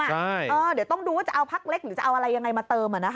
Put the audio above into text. เดี๋ยวต้องดูว่าจะเอาพักเล็กหรือจะเอาอะไรยังไงมาเติม